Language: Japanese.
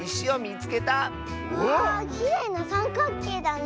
わあきれいなさんかっけいだね。